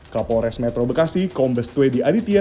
kapolres metro bekasi kombes tue di aditya